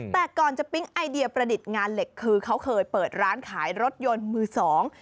แต่ก่อนจะปิ๊งไอเดียประดิษฐ์งานเหล็กคือเขาเคยเปิดร้านขายรถยนต์มือสอง